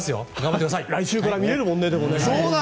来週から見られるもんね。